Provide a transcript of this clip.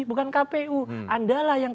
bukan kpu anda lah yang